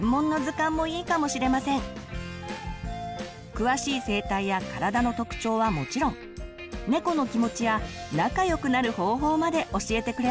詳しい生態や体の特徴はもちろんねこの気持ちや仲良くなる方法まで教えてくれます。